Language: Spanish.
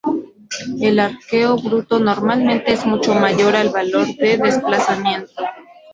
El arqueo bruto normalmente es mucho mayor al valor de desplazamiento.